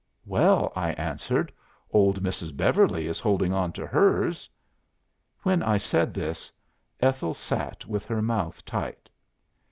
'" "'Well,' I answered, 'old Mrs. Beverly is holding on to hers.'" "When I said this, Ethel sat with her mouth tight.